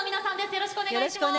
よろしくお願いします。